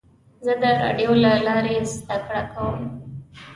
زه د راډیو له لارې زده کړه کوم.